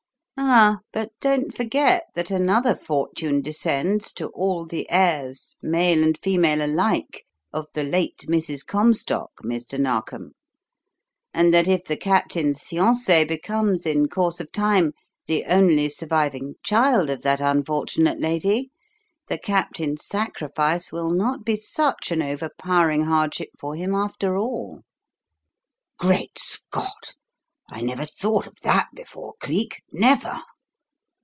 "Ah, but don't forget that another fortune descends to all the heirs, male and female alike, of the late Mrs. Comstock, Mr. Narkom, and that if the Captain's fiancée becomes, in course of time, the only surviving child of that unfortunate lady, the Captain's sacrifice will not be such an overpowering hardship for him, after all." "Great Scott! I never thought of that before, Cleek never."